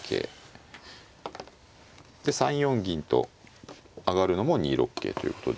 で３四銀と上がるのも２六桂ということで。